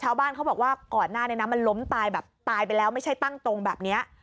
ชาวบ้านเขาบอกว่าก่อนหน้านี้นะมันล้มตายแบบตายไปแล้วไม่ใช่ตั้งตรงแบบนี้